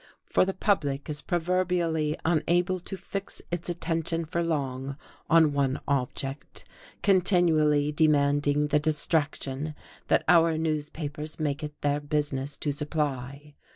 For the public is proverbially unable to fix its attention for long on one object, continually demanding the distraction that our newspapers make it their business to supply.